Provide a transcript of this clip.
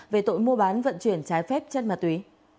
về tội mua bán vận chuyển trái phép chất ma túy